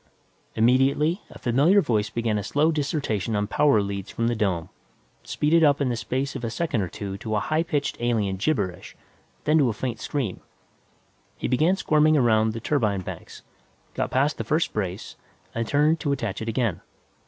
Immediately, a familiar voice began a slow dissertation on power leads from the dome, speeded up in the space of a second or two to a high pitched alien gibberish, then to a faint scream. He began squirming around the turbine tanks, got past the first brace, and turned to attach it again.